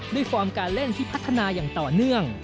ฟอร์มการเล่นที่พัฒนาอย่างต่อเนื่อง